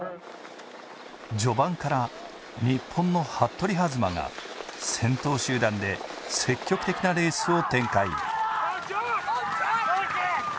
序盤から日本の服部弾馬が先頭集団で積極的なレースを展開